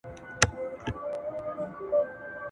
له آمو تر اباسينه ..